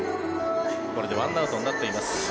これで１アウトになっています。